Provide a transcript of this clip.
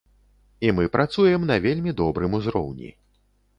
І мы працуем на вельмі добрым узроўні.